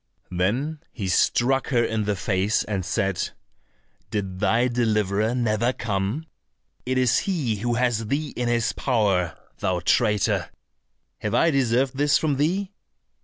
Then he struck her in the face, and said, "Did thy deliverer never come? It is he who has thee in his power, thou traitor. Have I deserved this from thee?"